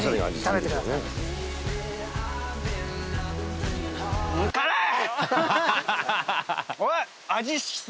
食べてください辛い？